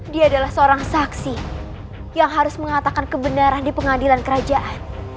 dia adalah seorang saksi yang harus mengatakan kebenaran di pengadilan kerajaan